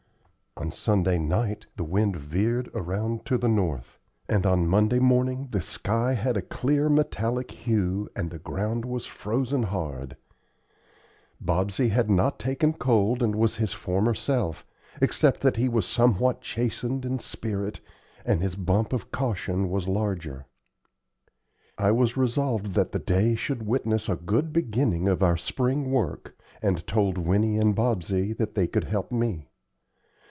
On Sunday night the wind veered around to the north, and on Monday morning the sky had a clear metallic hue and the ground was frozen hard. Bobsey had not taken cold, and was his former self, except that he was somewhat chastened in spirit and his bump of caution was larger. I was resolved that the day should witness a good beginning of our spring work, and told Winnie and Bobsey that they could help me.